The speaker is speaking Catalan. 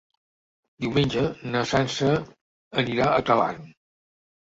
Diumenge na Sança anirà a Talarn.